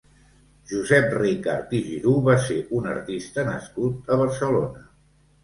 Josep Ricart i Giroud va ser un artista nascut a Barcelona.